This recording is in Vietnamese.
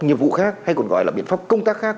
nhiệm vụ khác hay còn gọi là biện pháp công tác khác